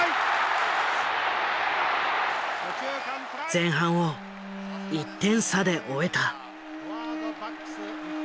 前半を１点差で終えた。